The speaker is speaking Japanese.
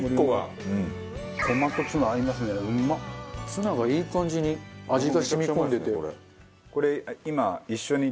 ツナがいい感じに味が染み込んでて。